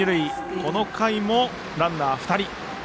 この回もランナー２人。